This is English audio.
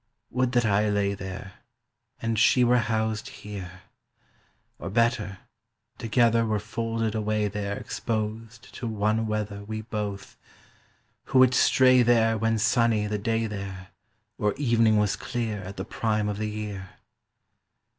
Would that I lay there And she were housed here! Or better, together Were folded away there Exposed to one weather We both,—who would stray there When sunny the day there, Or evening was clear At the prime of the year.